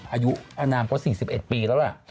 อายุอนามก็๔๑ปีแล้วล่ะ